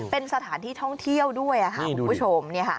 เป็นสถานที่ท่องเที่ยวด้วยค่ะคุณผู้ชม